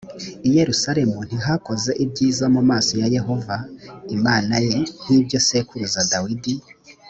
i yerusalemu ntiyakoze ibyiza mu maso ya yehova imana ye nk ibyo sekuruza dawidi